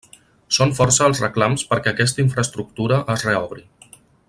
Són força els reclams perquè aquesta infraestructura es reobri.